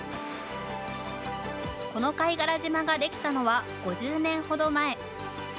この貝殻島ができたのは５０年ほど前。